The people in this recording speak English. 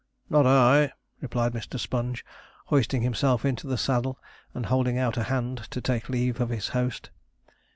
'Not I,' replied Mr. Sponge, hoisting himself into the saddle, and holding out a hand to take leave of his host.